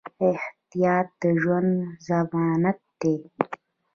احتیاط د ژوند ضمانت دی.